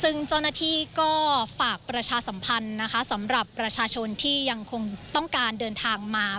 ซึ่งเจ้าหน้าที่ก็ฝากประชาสัมพันธ์นะคะสำหรับประชาชนที่ยังคงต้องการเดินทางมา